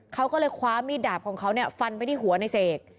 เขาก็เลยคว้ามีดดาบของเขาฟันไปที่หัวในเสก